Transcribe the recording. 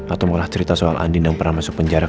atau malah cerita soal andi yang pernah masuk penjara